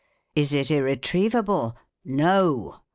Is it irretrievable? No!